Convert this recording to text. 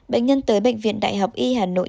bệnh nhân tới bệnh viện đại học y hà nội